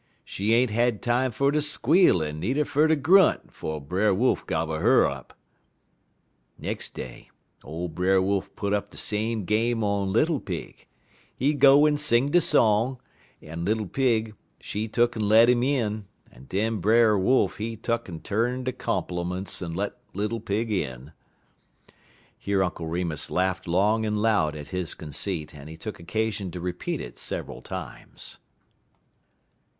She ain't had time fer ter squeal en needer fer ter grunt 'fo' Brer Wolf gobble 'er up. "Next day, ole Brer Wolf put up de same game on Little Pig; he go en he sing he song, en Little Pig, she tuck'n let 'im in, en den Brer Wolf he tuck'n 'turn de compelerments en let Little Pig in." Here Uncle Remus laughed long and loud at his conceit, and he took occasion to repeat it several times.